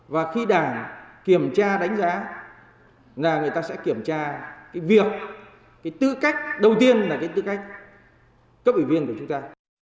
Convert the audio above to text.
và khi đảng kiểm tra đánh giá là người ta sẽ kiểm tra cái việc cái tư cách đầu tiên là cái tư cách cấp ủy viên của chúng ta